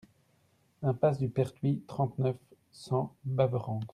Impasse du Pertuis, trente-neuf, cent Baverans